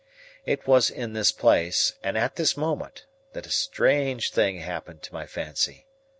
It was in this place, and at this moment, that a strange thing happened to my fancy.